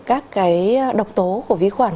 các cái độc tố của vi khuẩn